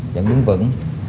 vẫn đứng vững